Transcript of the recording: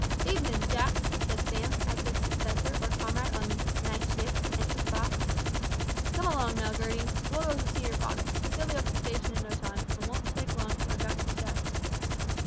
"Evenin', Jack," said Sam, as his successor or comrade on the "night shift" entered the box, "Come along now, Gertie. We'll go and see your father. He'll be up at the station in no time, and won't take long to run back to the shed."